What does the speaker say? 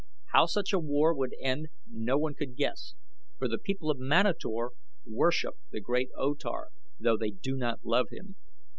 How such a war would end no one could guess; for the people of Manator worship the great O Tar, though they do not love him.